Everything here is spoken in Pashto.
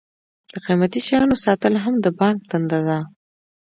د قیمتي شیانو ساتل هم د بانک دنده ده.